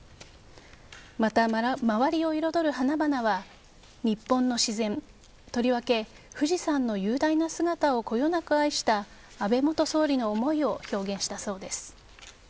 また、周りを彩る花々は日本の自然とりわけ富士山の雄大な姿をこよなく愛した安倍元総理の思いを表現したそうです。